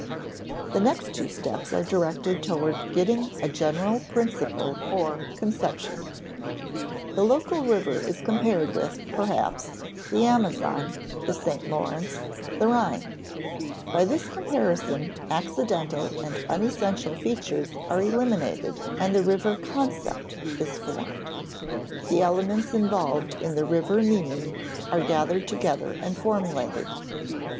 The next two steps are directed toward getting a general principle or conception. The local river is compared with, perhaps, the Amazon, the St. Lawrence, the Rhine; by this comparison accidental and unessential features are eliminated and the river concept is formed: the elements involved in the river meaning are gathered together and formulated.